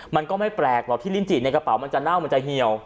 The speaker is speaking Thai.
มันก็ไม่แปลกหรอกที่ลิ้นจิในกระเป๋ามันจะเน่ามันจะเหี่ยว